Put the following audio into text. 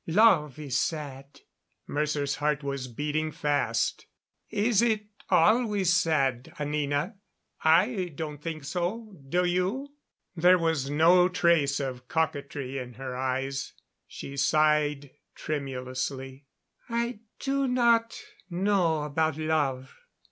Love is sad." Mercer's heart was beating fast. "Is it always sad, Anina? I don't think so do you?" There was no trace of coquetry in her eyes; she sighed tremulously. "I do not know about love.